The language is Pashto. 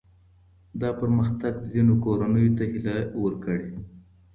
دا پرمختګ ځینو کورنیو ته هیله ورکړې.